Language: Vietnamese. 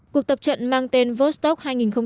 cuộc tập trận mang tên vostok hai nghìn một mươi chín